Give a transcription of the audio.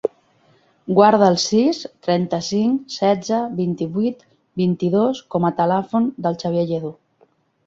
Guarda el sis, trenta-cinc, setze, vint-i-vuit, vint-i-dos com a telèfon del Xavier Lledo.